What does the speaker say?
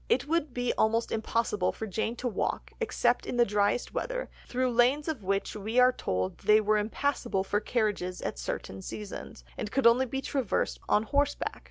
It would be almost certainly impossible for Jane to walk, except in the driest weather, through lanes of which we are told they were impassable for carriages at certain seasons, and could only be traversed on horseback.